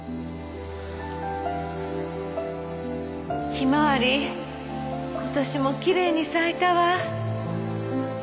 ひまわり今年も奇麗に咲いたわ